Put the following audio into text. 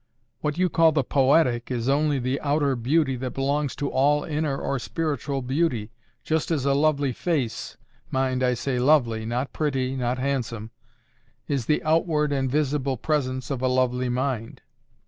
What you call the POETIC is only the outer beauty that belongs to all inner or spiritual beauty—just as a lovely face—mind, I say LOVELY, not PRETTY, not HANDSOME—is the outward and visible presence of a lovely mind.